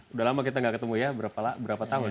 sudah lama kita tidak ketemu ya berapa tahun ya